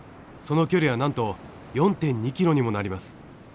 その距離はなんと４．２ｋｍにもなります。